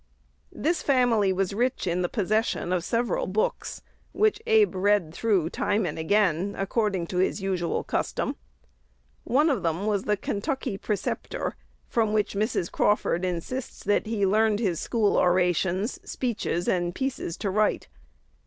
This family was rich in the possession of several books, which Abe read through time and again, according to his usual custom. One of them was the "Kentucky Preceptor," from which Mrs. Crawford insists that he "learned his school orations, speeches, and pieces to write."